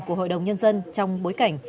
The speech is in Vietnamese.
của hội đồng nhân dân trong bối cảnh